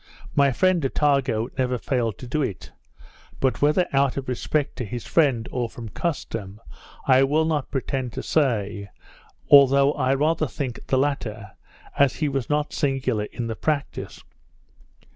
My friend Attago never failed to do it; but whether out of respect to his friend, or from custom, I will not pretend to say; though I rather think from the latter, as he was not singular in the practice.